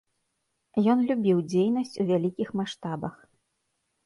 Ён любіў дзейнасць у вялікіх маштабах.